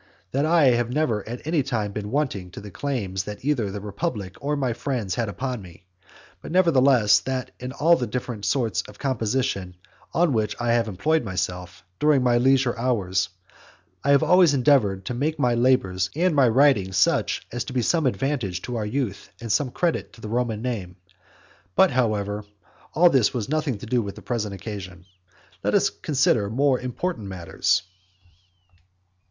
That I have never at any time been wanting to the claims that either the republic or my friends had upon me; but nevertheless that in all the different sorts of composition on which I have employed myself, during my leisure hours, I have always endeavoured to make my labours and my writings such as to be some advantage to our youth, and some credit to the Roman name. But, however, all this has nothing to do with the present occasion. Let us consider more important matters.